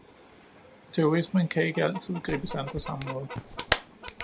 Terrorismen kan ikke altid gribes an på samme måde.